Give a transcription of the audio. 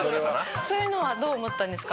そういうのはどう思ったんですか？